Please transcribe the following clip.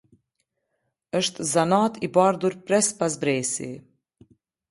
Është zanat i bartur brez pas brezi.